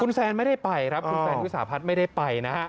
คุณแซนไม่ได้ไปครับคุณแซนวิสาพัฒน์ไม่ได้ไปนะฮะ